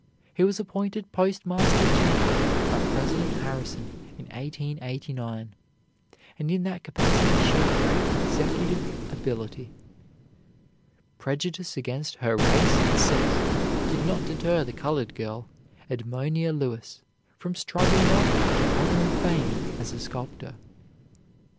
He was appointed Postmaster General by President Harrison in 1889, and in that capacity showed great executive ability. Prejudice against her race and sex did not deter the colored girl, Edmonia Lewis, from struggling upward to honor and fame as a sculptor.